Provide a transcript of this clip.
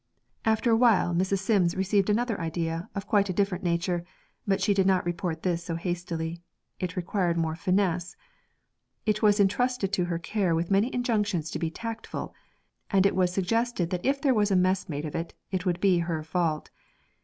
After a while, Mrs. Sims received another idea of quite a different nature; but she did not report this so hastily it required more finesse. It was entrusted to her care with many injunctions to be 'tactful,' and it was suggested that if there was a mess made of it, it would be her fault.